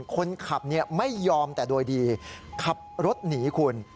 คนขับไม่ยอมแต่โดยดีขับรถหนีคุณ